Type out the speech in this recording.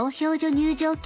入場券